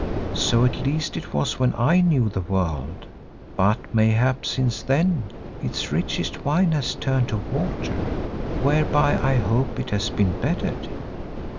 So at least it was when I knew the world, but mayhap since then its richest wine has turned to water, whereby I hope it has been bettered.